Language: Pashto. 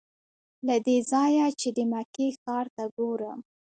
له دې ځایه چې د مکې ښار ته ګورم.